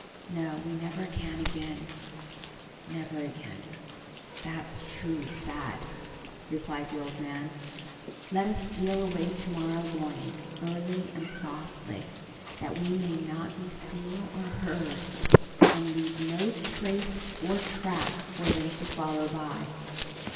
"No, we never can again—never again—that's truly said," replied the old man. "Let us steal away to morrow morning, early and softly, that we may not be seen or heard, and leave no trace or track for them to follow by.